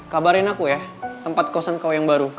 kabarin aku ya tempat kosan kau yang baru